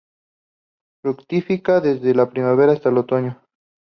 Fructifica desde la primavera hasta el otoño.